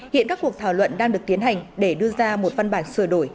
hiện các cuộc thảo luận đang được tiến hành để đưa ra một văn bản sửa đổi